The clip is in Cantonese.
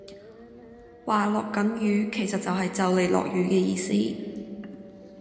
話落緊雨其實即係就嚟落雨嘅意思